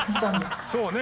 そうね。